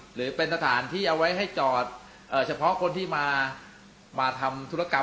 หรือเป็นสถานที่เอาไว้ให้จอดเฉพาะคนที่มาทำธุรกรรม